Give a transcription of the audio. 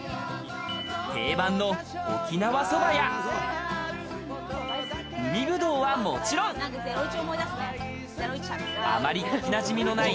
定番の沖縄そばや、海ぶどうはもちろん、あまり聞きなじみのない